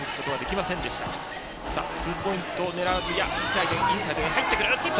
ツーポイントを狙わずインサイドに入ってくる。